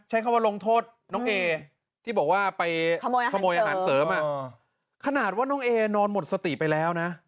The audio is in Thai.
ใช้คำว่าลงโทษน้องเอที่บอกว่าไปขโมยอาหารเสริมขนาดว่าน้องเอนอนหมดสติไปแล้วนะ